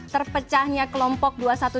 terpecahnya kelompok dua ratus dua belas